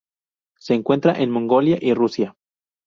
Se encuentra en Mongolia y Rusia.